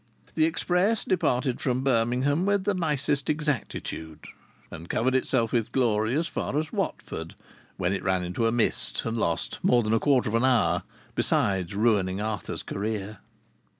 The express departed from Birmingham with the nicest exactitude, and covered itself with glory as far as Watford, when it ran into a mist, and lost more than a quarter of an hour, besides ruining Arthur's career.